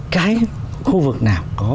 cái khu vực nào